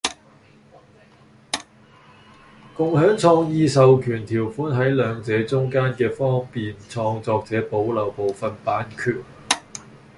共享創意授權條款喺兩者中間既方便創作者保留部份版權